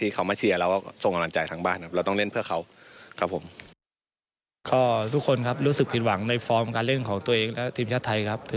ก็ทุกคนรู้สึกผิดหวังในการเล่นของนังตัวเองและตีมชาติไทยครับ